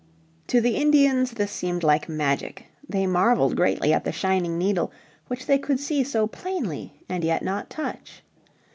To the Indians this seemed like magic; they marvelled greatly at the shining needle which they could see so plainly and yet not touch.